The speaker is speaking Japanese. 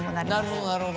なるほどなるほど。